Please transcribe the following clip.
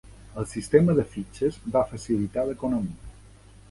El sistema de fitxes va facilitar l'economia.